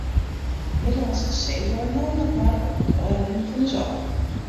De Middellânske See lei no noch mar op in dei rinnen fan ús ôf.